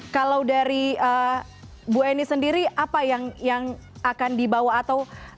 kalau dari bu eni sendiri apa yang akan dibawa atau